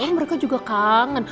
mereka juga kangen